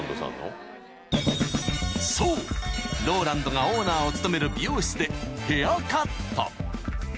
［そうＲＯＬＡＮＤがオーナーを務める美容室でヘアカット］